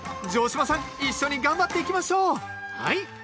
城島さん一緒に頑張っていきましょうはい！